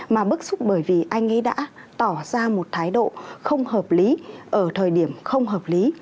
mà bức xúc bởi vì anh ấy đã tỏ ra một thái độ không hợp lý ở thời điểm không hợp lý